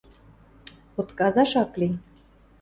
Отказаш ак ли.